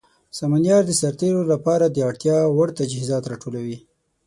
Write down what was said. سمونیار د سرتیرو لپاره د اړتیا وړ تجهیزات راټولوي.